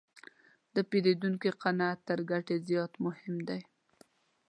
د پیرودونکي قناعت تر ګټې زیات مهم دی.